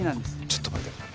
ちょっと待て。